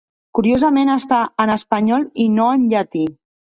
Curiosament està en espanyol i no en llatí.